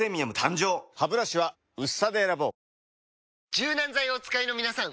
柔軟剤をお使いのみなさん！